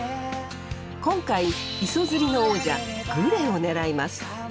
今回磯釣りの王者グレを狙います。